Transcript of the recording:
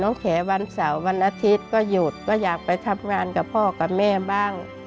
แขวันเสาร์วันอาทิตย์ก็หยุดก็อยากไปทำงานกับพ่อกับแม่บ้าง